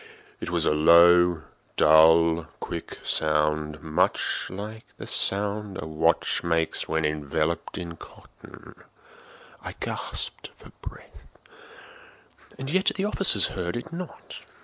It was a low, dull, quick sound—much such a sound as a watch makes when enveloped in cotton. I gasped for breath—and yet the officers heard it not.